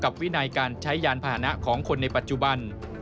วินัยการใช้ยานพาหนะของคนในปัจจุบัน